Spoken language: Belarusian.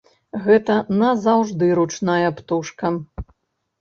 Гэта назаўжды ручная птушка.